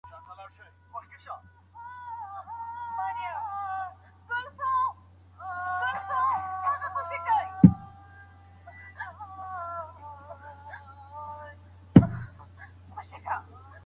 ټیکری کوچنی نه وي.